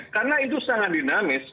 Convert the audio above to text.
karena itu sangat dinamis